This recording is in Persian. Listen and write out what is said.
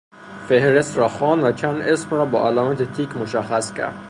فهرست را خواند و چند اسم را با علامت تیک مشخص کرد.